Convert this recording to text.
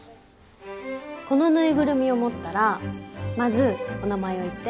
このぬいぐるみを持ったらまずお名前を言って。